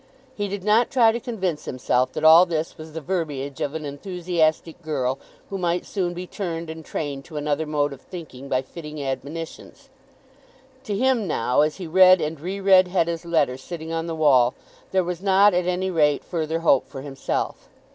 He did not try to convince himself that all this was the verbiage of an enthusiastic girl, who might soon be turned and trained to another mode of thinking by fitting admonitions. To him now, as he read and re read Hetta's letter sitting on the wall, there was not at any rate further hope for himself.